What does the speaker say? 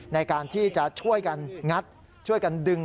ในการที่จะช่วยกันงัดช่วยกันดึง